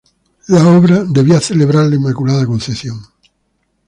La obra debía celebrar la Inmaculada Concepción.